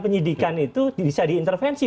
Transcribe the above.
penyidikan itu bisa diintervensi